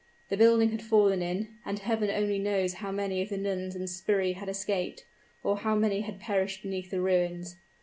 The building had fallen in, and Heaven only knows how many of the nuns and sbirri had escaped, or how many had perished beneath the ruins!